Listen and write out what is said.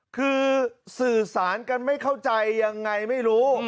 คือสื่อสารกันไม่เข้าใจยังไงไม่รู้